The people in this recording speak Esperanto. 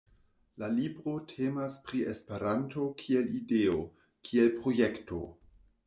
La libro temas pri Esperanto kiel ideo, kiel projekto.